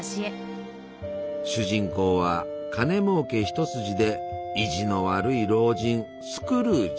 主人公は金もうけ一筋で意地の悪い老人スクルージ。